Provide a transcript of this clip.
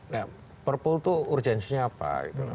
nah perpu itu urgensinya apa